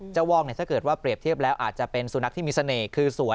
วอกเนี่ยถ้าเกิดว่าเปรียบเทียบแล้วอาจจะเป็นสุนัขที่มีเสน่ห์คือสวย